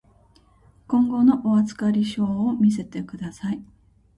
今後の預かり証を見せてください。